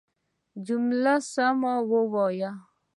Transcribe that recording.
جمله سمه وايه!